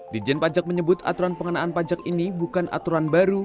dijen pajak menyebut aturan pengenaan pajak ini bukan aturan baru